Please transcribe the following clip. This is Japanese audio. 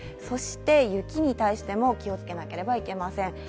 そして雪に対しても気をつけなければいけません。